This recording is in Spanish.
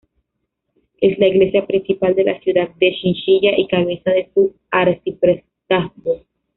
Es la iglesia principal de la ciudad de Chinchilla y cabeza de su arciprestazgo.